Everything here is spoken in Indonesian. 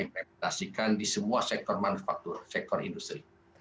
implementasikan di semua sektor manufaktur sektor industri